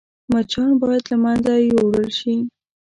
مچان باید له منځه يوړل شي